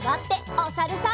おさるさん。